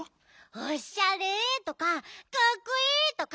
「おっしゃれ」とか「かっこいい」とか。